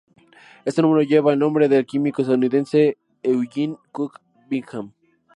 Este número lleva el nombre del químico estadounidense Eugene Cook Bingham.